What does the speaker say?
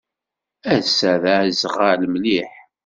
Ass-a d azɣal mliḥ.